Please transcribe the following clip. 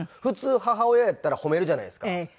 普通母親やったら褒めるじゃないですか。